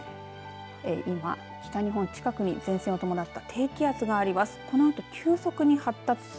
今、北日本近くに前線を伴った低気圧があります。